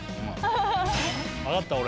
分かった俺。